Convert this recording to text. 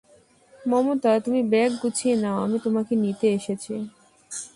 মমতা, তুমি ব্যাগ গুছিয়ে নাও আমি তোমাকে নিতে এসেছি।